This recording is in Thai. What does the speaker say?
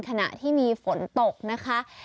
ขณะที่มีฝนตกนะคะ